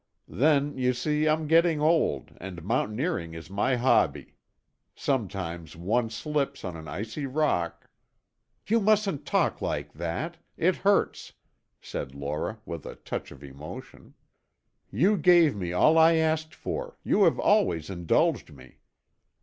Then, you see, I'm getting old, and mountaineering is my hobby. Sometimes one slips on an icy rock " "You mustn't talk like that; it hurts," said Laura with a touch of emotion. "You gave me all I asked for; you have always indulged me.